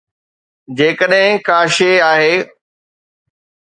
جيڪڏهن ڪا شيءِ آهي.